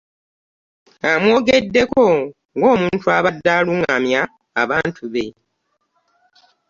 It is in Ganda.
Amwogeddeko ng'omuntu abadde alungamya abantu be